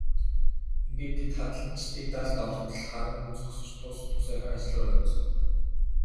Ингээд тэд хадланчдыг далд ортол харан зогсож тус тусынхаа ажил руу явцгаав.